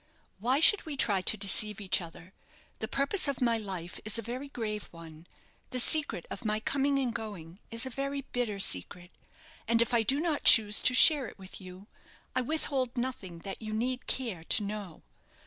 Why should we try to deceive each other? The purpose of my life is a very grave one; the secret of my coming and going is a very bitter secret, and if I do not choose to share it with you, I withhold nothing that you need care to know.